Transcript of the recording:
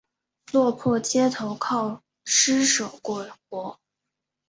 落魄街头靠著施舍过活